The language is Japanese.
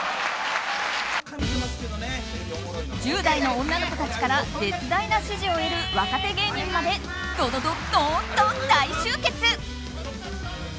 １０代の女の子たちから絶大な支持を得る若手芸人までドドド、ドーンと大集結。